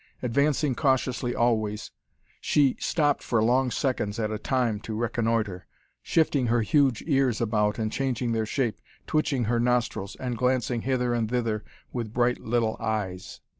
Advancing cautiously always, she stopped for long seconds at a time to reconnoitre, shifting her huge ears about and changing their shape, twitching her nostrils, and glancing hither and thither with bright little eyes.